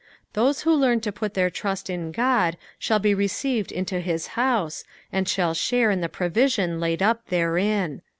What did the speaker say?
''' Tliose who learn to put their trust in God shall be received into his house, and shall share in the provision laid up therein.